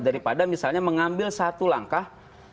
daripada misalnya mengambil satu langkah